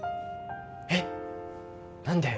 えっ何で？